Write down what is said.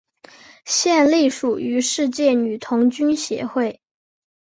现隶属于世界女童军协会。